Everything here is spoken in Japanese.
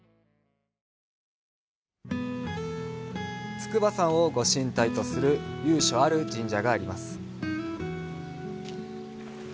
筑波山をご神体とする由緒ある神社があります。